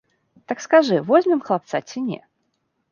Так скажы, возьмем хлапца ці не?